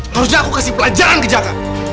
harusnya aku kasih pelajaran ke jakarta